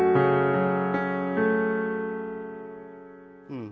うん。